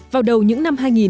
vào đầu những năm hai nghìn